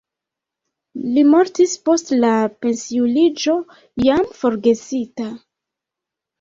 Li mortis post la pensiuliĝo jam forgesita.